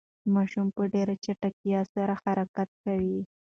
ماشوم په ډېرې چټکتیا سره حرکت کوي.